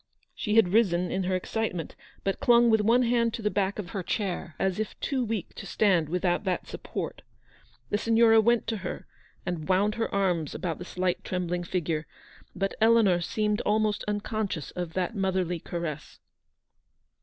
She had risen in her excitement, but clung with one hand to the back of her chair, as if too weak to stand without that support. The Signora went to her, and wound her arms about the slight trembling figure; but Eleanor seemed almost unconscious of that motherly caress. GOOD SAMARITANS.